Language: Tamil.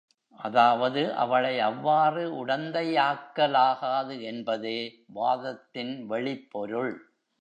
அதாவது, அவளை அவ்வாறு உடந்தையாக்கலாகாது என்பதே வாதத்தின் வெளிப் பொருள்.